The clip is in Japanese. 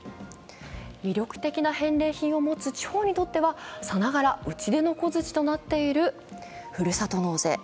魅力的な返礼品を持つ地方にとっては、さながら打ち出の小づちとなっているふるさと納税。